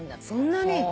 そんなに？